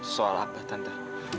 soal apa tante